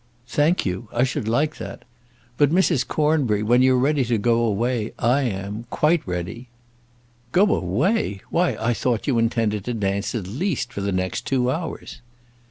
"Thank you, I should like that. But, Mrs. Cornbury, when you're ready to go away, I am, quite ready." "Go away! Why I thought you intended to dance at least for the next two hours."